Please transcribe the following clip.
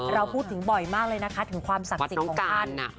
เราพูดถึงบ่อยมากเลยนะคะถึงความศักดิ์สิทธิ์ของพันธุ์วัดน้องกานน่ะ